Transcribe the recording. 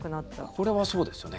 これはそうですよね。